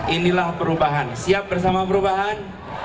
inilah perubahan siap bersama perubahan